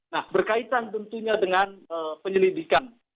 nah berkaitan tentunya dengan penyelidikan